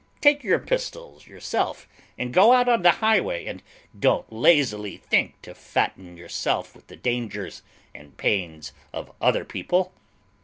Take your pistols yourself, and go out on the highway, and don't lazily think to fatten yourself with the dangers and pains of other people."